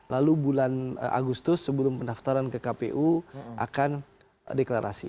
lalu bulan agustus sebelum pendaftaran ke kpu akan deklarasi